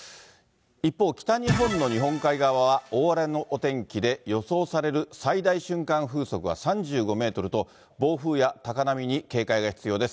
一方、北日本の日本海側は、大荒れのお天気で、予想される最大瞬間風速は３５メートルと、暴風や高波に警戒が必要です。